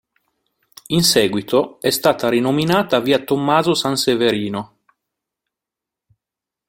In seguito è stata rinominata Via Tommaso Sanseverino.